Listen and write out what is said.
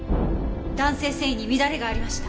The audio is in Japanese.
弾性繊維に乱れがありました。